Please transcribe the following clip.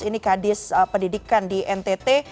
ini kadis pendidikan di ntt